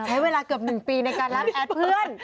ใช้เวลาเกือบ๑ปีในการรับแอดเพื่อน